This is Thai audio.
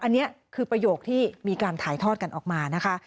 อันนี้คือประโยคที่มีการถ่ายทอดกันออกมานะคะ